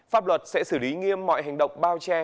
pháp luật sẽ xử lý nghiêm mọi hành động bao che